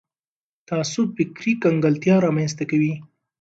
تعصب فکري کنګلتیا رامنځته کوي